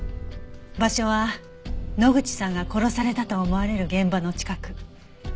場所は野口さんが殺されたと思われる現場の近く。